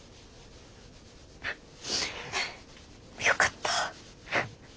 よかった。